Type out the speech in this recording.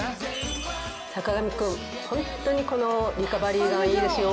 坂上くんホントにこのリカバリーガンいいですよ。